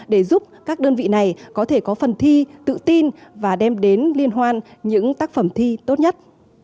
để giúp các đơn vị này có thể có phần thi tự tin và đem đến liên hoan những tác phẩm thi tốt nhất